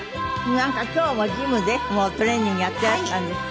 なんか今日もジムでもうトレーニングやってらしたんですって？